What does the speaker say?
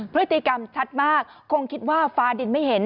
พฤติกรรมชัดมากคงคิดว่าฟ้าดินไม่เห็น